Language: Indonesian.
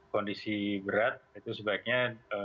kondisi berat itu sebaiknya